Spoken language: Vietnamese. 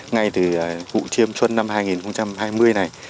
ngay từ vụ chiêm xuân năm hai nghìn hai mươi này